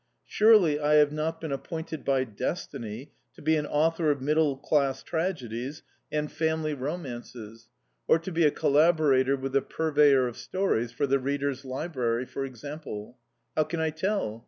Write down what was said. Surely, I have not been appointed by destiny to be an author of middle class tragedies and family romances, or to be a collaborator with the purveyor of stories for the 'Reader's Library,' for example?... How can I tell?...